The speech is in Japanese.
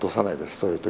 そういう時は。